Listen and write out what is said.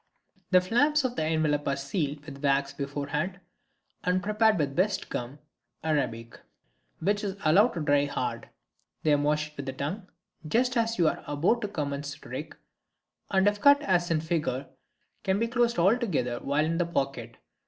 9. Packet of Three Envelopes. The flaps of the envelopes are sealed with wax beforehand and prepared with best gum arabic, which is allowed to dry hard. They are moistened with the tongue just as you are about to commence the trick, and if cut as in Fig. 9, can be closed all together while in the pocket.